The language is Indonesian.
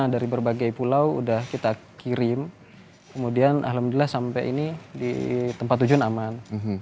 dari berbagai pulau sudah kita kirim kemudian alhamdulillah sampai ini di tempat tujuan aman